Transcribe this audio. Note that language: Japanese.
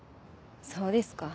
そうですか。